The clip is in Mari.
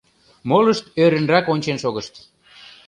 Молышт ӧрынрак ончен шогышт.